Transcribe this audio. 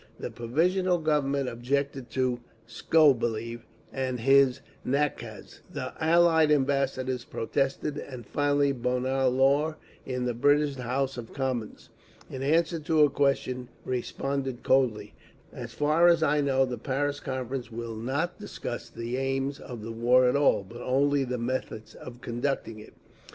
The Provisional Government objected to Skobeliev and his nakaz; the Allied ambassadors protested and finally Bonar Law in the British House of Commons, in answer to a question, responded coldly, "As far as I know the Paris Conference will not discuss the aims of the war at all, but only the methods of conducting it…."